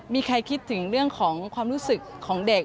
มีใครคิดถึงเรื่องของความรู้สึกของเด็ก